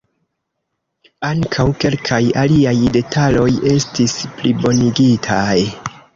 Ankaŭ kelkaj aliaj detaloj estis plibonigitaj.